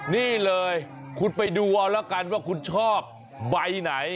นี่เลยคุณไปดูเอาละกันว่าคุณชอบใบไหน